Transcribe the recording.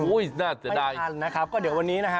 อุ๊ยน่าจะได้ไม่ทันนะครับก็เดี๋ยววันนี้นะฮะ